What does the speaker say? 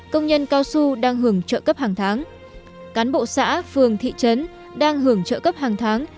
công an nhân dân đang hưởng trợ cấp hàng tháng